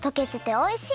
おいしい。